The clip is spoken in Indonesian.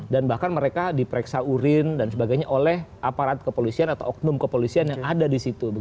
dan bahkan mereka diperiksa urin dan sebagainya oleh aparat kepolisian atau oknum kepolisian yang ada di situ